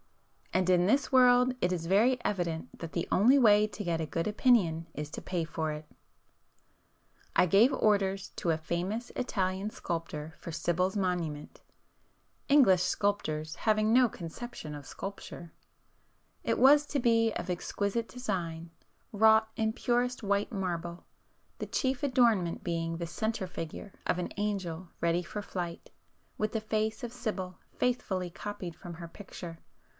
And in this world it is very evident that the only way to get a good opinion is to pay for it! I gave orders to a famous Italian sculptor for Sibyl's monument, English sculptors having no conception of sculpture,—it was to be of exquisite design, wrought in purest white marble, the chief adornment being the centre figure of an angel ready for flight, with the face of Sibyl faithfully [p 437] copied from her picture.